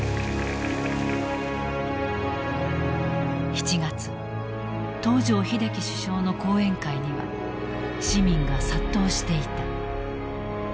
７月東條英機首相の講演会には市民が殺到していた。